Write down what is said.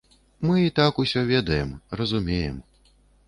Мы і так усё ведаем, разумеем.